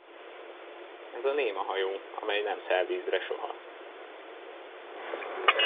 Ez a néma hajó, amely nem száll vízre soha.